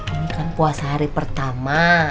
ini kan puasa hari pertama